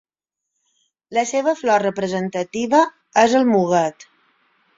La seva flor representativa és el muguet.